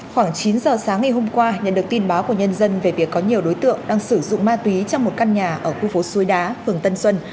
khoảng chín giờ sáng ngày hôm qua nhận được tin báo của nhân dân về việc có nhiều đối tượng đang sử dụng ma túy trong một căn nhà ở khu phố suối đá phường tân xuân